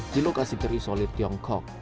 di lokasi terisolir tiongkok